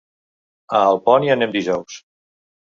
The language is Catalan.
A Alpont hi anem dijous.